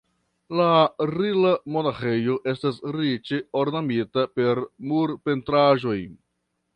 La Rila-monaĥejo estas riĉe ornamita per murpentraĵoj.